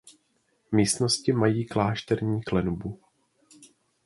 Místnosti mají klášterní klenbu.